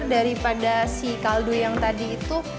daripada si kaldu yang tadi itu